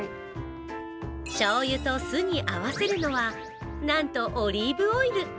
しょうゆと酢に合わせるのは、なんとオリーブオイル。